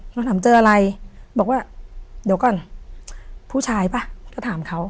เราถามเจออะไรบอกว่าเดี๋ยวก่อนผู้ชายป่ะแล้วถามเขา